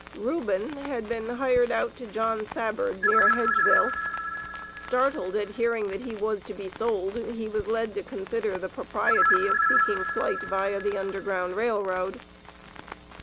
Reuben had been hired out to John Sabbard near Hedgeville. Startled at hearing that he was to be sold, he was led to consider the propriety of seeking flight via the Underground Rail Road.